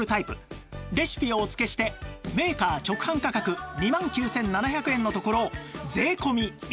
レシピをお付けしてメーカー直販価格２万９７００円のところ税込１万５０００円